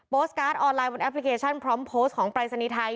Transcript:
โปสต์การ์ดออนไลน์บนแอปพลิเคชันพร้อมโพสต์ของไปรษณีย์ไทย